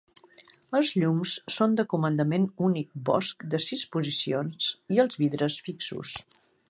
Els llums són de comandament únic Bosch de sis posicions i els vidres fixos.